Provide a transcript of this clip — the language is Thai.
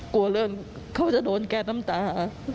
กลัวเรื่องเขาจะโดนแก้น้ำตา